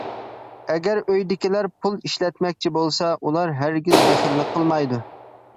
ئەگەر ئۆيدىكىلەر پۇل ئىشلەتمەكچى بولسا، ئۇلار ھەرگىز بېخىللىق قىلمايدۇ.